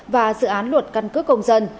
và dự án luật căn cứ công dân